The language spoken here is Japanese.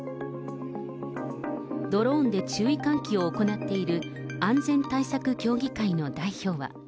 ドローンで注意喚起を行っている安全対策協議会の代表は。